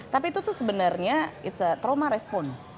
tapi itu tuh sebenarnya trauma respon